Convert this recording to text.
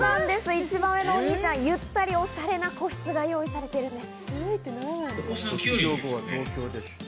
一番上のお兄ちゃん、ゆったりオシャレな個室が用意されてるんです。